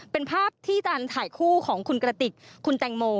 เป็นภาพที่การถ่ายคู่ของคุณกระติกคุณแตงโม